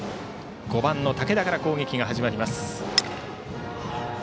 ５番の武田から攻撃が始まります。